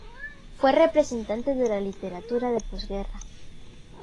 Fue representante de la literatura de posguerra.